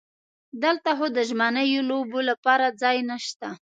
دلته خو د ژمنیو لوبو لپاره ځای نشته.